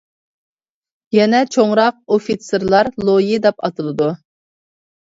يەنە چوڭراق ئوفىتسېرلار لويى دەپ ئاتىلىدۇ.